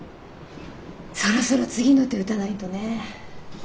そろそろ次の手打たないとね。